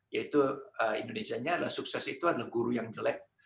yaitu indonesia nya sukses itu adalah guru yang jelek